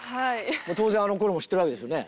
当然あの頃も知ってるわけですよね？